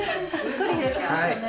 はい。